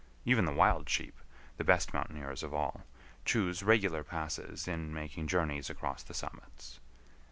Even the wild sheep, the best mountaineers of all, choose regular passes in making journeys across the summits.